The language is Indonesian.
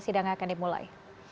sidang akan dimulai